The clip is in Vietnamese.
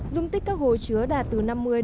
dung tích các hồ chứa đạt từ năm mươi bảy mươi